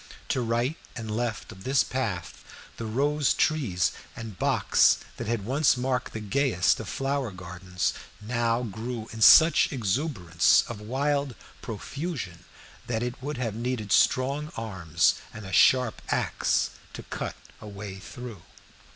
To right and left of this path, the rose trees and box that had once marked the gayest of flower gardens now grew in such exuberance of wild profusion that it would have needed strong arms and a sharp axe to cut a way through.